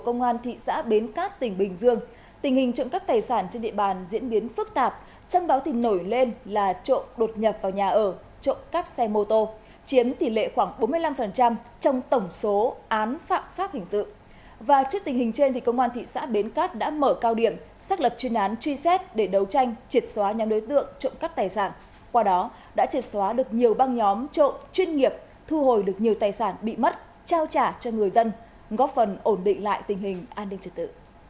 nguyễn thị liễu đã trịt xóa những đối tượng trộm cắt tài sản qua đó đã trịt xóa được nhiều băng nhóm trộm chuyên nghiệp thu hồi được nhiều tài sản bị mất trao trả cho người dân góp phần ổn định lại tình hình an ninh trật tự